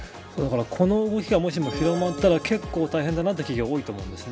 この動きが、もしも広まったら結構大変だなという企業は多いと思うんです。